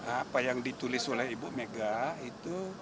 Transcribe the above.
apa yang ditulis oleh ibu mega itu